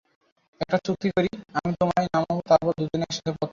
একটা চুক্তি করি, আমি তোমায় নামাব, তারপর দুজনে একসাথে পথ চলব।